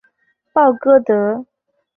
鲍戈德。